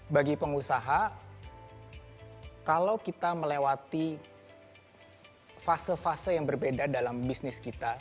bagi pengusaha kalau kita melewati fase fase yang berbeda dalam bisnis kita